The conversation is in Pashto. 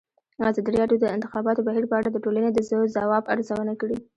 ازادي راډیو د د انتخاباتو بهیر په اړه د ټولنې د ځواب ارزونه کړې.